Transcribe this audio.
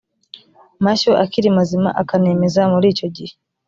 mashyo akiri mazima akanemeza muri icyo gihe